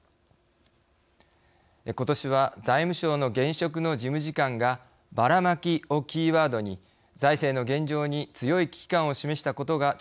ことしは財務省の現職の事務次官がバラマキをキーワードに財政の現状に強い危機感を示したことが注目を浴びました。